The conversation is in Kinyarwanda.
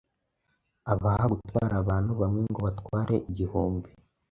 abaha gutwara abantu, bamwe ngo batware igihumbi,